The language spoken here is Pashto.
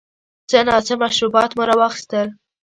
څه ناڅه مشروبات مو را واخیستل.